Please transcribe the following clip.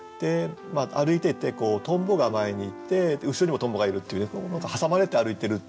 歩いててとんぼが前にいて後ろにもとんぼがいるっていう挟まれて歩いてるっていうね